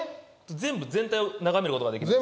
全部全体を眺めることができます。